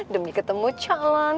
demi ketemu calon